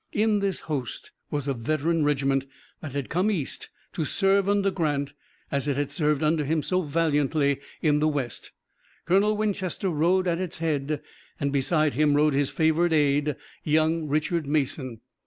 In this host was a veteran regiment that had come East to serve under Grant as it had served under him so valiantly in the West. Colonel Winchester rode at its head and beside him rode his favorite aide, young Richard Mason.